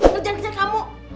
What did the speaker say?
lu jangan kejar kamu